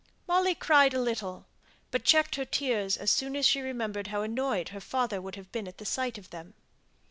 Molly cried a little, but checked her tears as soon as she remembered how annoyed her father would have been at the sight of them.